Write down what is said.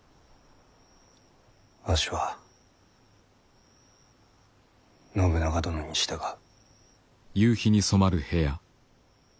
わしは信長殿に従う。